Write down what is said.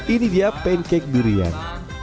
ini dia pancake durian